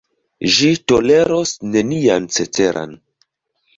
Ĝi toleros nenian ceteran.